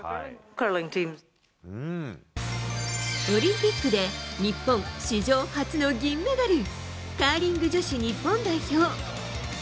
オリンピックで日本史上初の銀メダルカーリング女子日本代表。